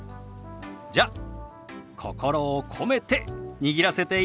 じゃ心を込めて握らせていただきます。